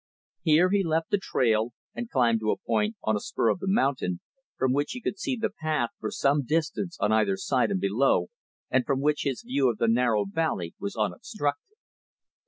Here he left the trail, and climbed to a point on a spur of the mountain, from which he could see the path for some distance on either side and below, and from which his view of the narrow valley was unobstructed.